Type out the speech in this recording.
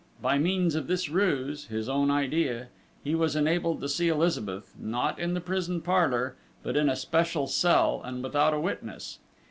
By means of this ruse his own idea he was enabled to see Elizabeth, not in the prison parlour, but in a special cell, and without a witness.